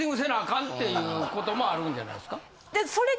かんっていう事もあるんじゃないですか？